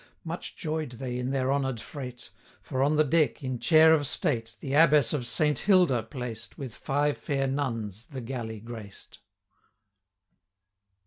Much joy'd they in their honour'd freight; For, on the deck, in chair of state, The Abbess of Saint Hilda placed, 20 With five fair nuns, the galley graced.